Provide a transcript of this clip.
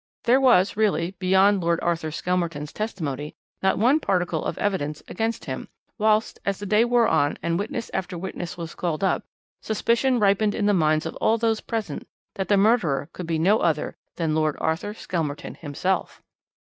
There was really, beyond Lord Arthur Skelmerton's testimony, not one particle of evidence against him, whilst, as the day wore on and witness after witness was called up, suspicion ripened in the minds of all those present that the murderer could be no other than Lord Arthur Skelmerton himself.